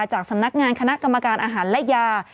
จากสำนักงานคณะกรรมการอาหารและยา